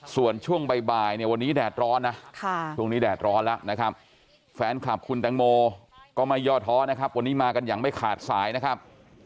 ส่วนช่วงบ่ายเนี่ยวันนี้แดดร้อนนะช่วงนี้แดดร้อนแล้วนะครับแฟนคลับคุณแตงโมก็ไม่ย่อท้อนะครับวันนี้มากันอย่างไม่ขาดสายนะครับ